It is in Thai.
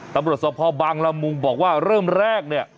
ตำรวจสภบางละมุงบอกว่าเริ่มแรกเนี่ย